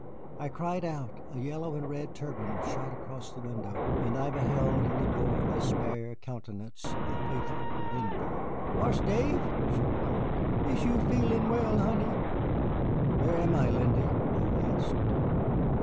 I cried out, a yellow and red turban shot across the window, and I beheld in the door the spare countenance of the faithful Lindy. "Marse Dave," she cried, "is you feelin' well, honey?" "Where am I, Lindy?" I asked.